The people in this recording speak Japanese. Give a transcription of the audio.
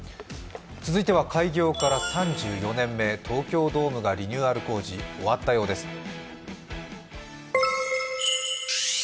続いては開業から３４年目、東京ドームがリニューアル工事、終わったようです。